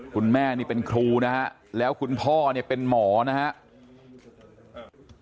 คุณแม่นี่เป็นครูนะฮะแล้วคุณพ่อเนี่ยเป็นหมอนะครับ